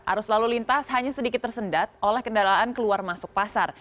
arus lalu lintas hanya sedikit tersendat oleh kendaraan keluar masuk pasar